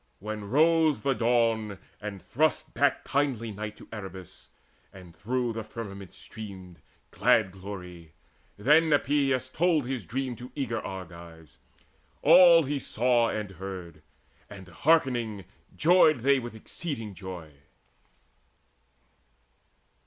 When rose the dawn, and thrust back kindly night To Erebus, and through the firmament streamed Glad glory, then Epeius told his dream To eager Argives all he saw and heard; And hearkening joyed they with exceeding joy.